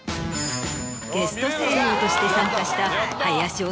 ゲスト声優として参加した。